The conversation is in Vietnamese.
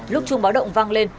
lúc trung báo động vang lên